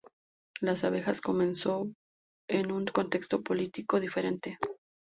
Las Abejas comenzó en un contexto político diferente.